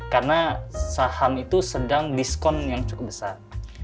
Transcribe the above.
karena saham itu sedang diskon yang cukup besar